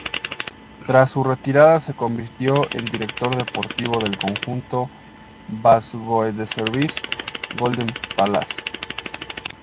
Tras su retirada se convirtió en director deportivo del conjunto Vastgoedservice-Golden Palace.